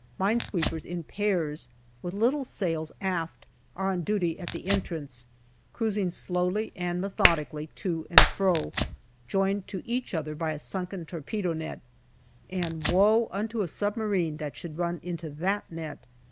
Mine sweepers in pairs, with little sails aft, are on duty at the entrance, cruising slowly and methodically to and fro, joined to each other by a sunken torpedo net ; and woe unto a submarine that should run into that net